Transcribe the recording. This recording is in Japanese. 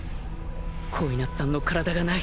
鯉夏さんの体がない